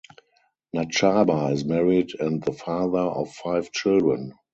Natchaba is married and the father of five children.